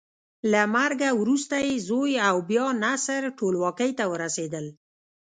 له مرګه وروسته یې زوی او بیا نصر ټولواکۍ ته ورسېدل.